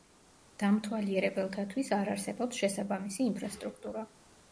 დამთვალიერებელთათვის არ არსებობს შესაბამისი ინფრასტრუქტურა.